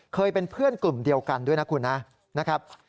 เคยเป็นเพื่อนกลุ่มเดียวกันด้วยนะคุณนะครับ